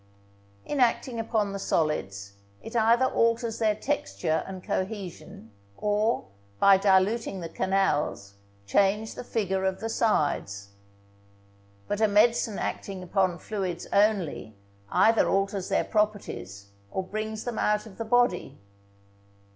In acting upon the solids, it either alters their texture and cohesion, or, by diluting the canals, change the figure of the sides. But a medicine acting upon fluids only either alters their properties, or brings them out of the body.